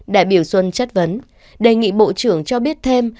đại biểu xuân chất vấn đề bộ trưởng cho biết thêm